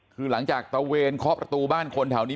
คือหลังจากตะเวนเคาะประตูบ้านคนแถวนี้